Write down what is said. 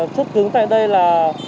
chốt cứng tại đây là